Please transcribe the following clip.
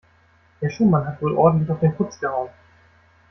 Herr Schumann hat wohl ordentlich auf den Putz gehauen.